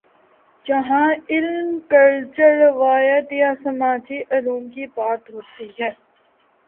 جہاں علم، کلچر، روایت یا سماجی علوم کی بات ہوتی ہے۔